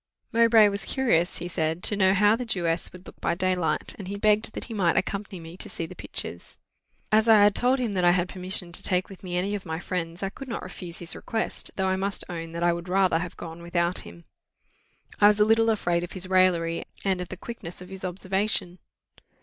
Mowbray was curious, he said, to know how the Jewess would look by daylight, and he begged that he might accompany me to see the pictures. As I had told him that I had permission to take with me any of my friends, I could not refuse his request, though I must own that I would rather have gone without him. I was a little afraid of his raillery, and of the quickness of his observation.